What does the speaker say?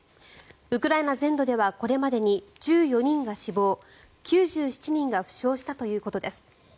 ウクライナ全土ではこれまでに１４人が死亡９７人が負傷したということです。